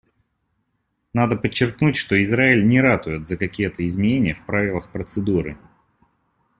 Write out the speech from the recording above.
Надо подчеркнуть, что Израиль не ратует за какие-то изменения в правилах процедуры.